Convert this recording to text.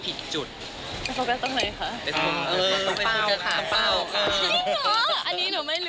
ไม่รู้เหมือนกันค่ะว่าเขาได้มาจากไหน